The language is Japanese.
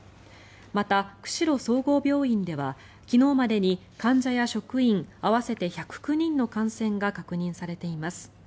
また、釧路総合病院では昨日までに患者や職員合わせて１０９人の感染が確認されています。